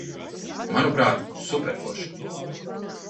Manuprāt, superforši.